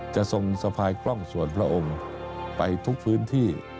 ทรงสะพายกล้องส่วนพระองค์ไปทุกพื้นที่